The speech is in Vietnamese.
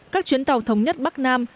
các chuyến tàu thống nhất bắc nam